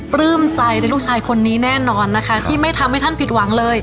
ปลื้มใจในลูกชายคนนี้แน่นอนนะคะที่ไม่ทำให้ท่านผิดหวังเลย